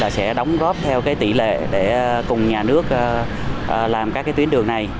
sẽ đóng góp theo tỷ lệ để cùng nhà nước làm các tuyến đường này